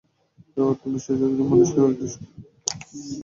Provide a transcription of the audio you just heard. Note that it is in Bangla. আত্মবিশ্বাস একজন মানুষকে একটি সুখী এবং সফল জীবনের দিকে নিয়ে যেতে পারে।